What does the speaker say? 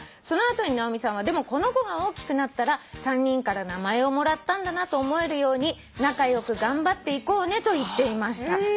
「その後に直美さんは『でもこの子が大きくなったら３人から名前をもらったんだなと思えるように仲良く頑張っていこうね』と言っていました」